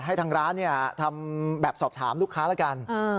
ให้ทางร้านทำแบบสอบถามลูกค้าแล้วกัน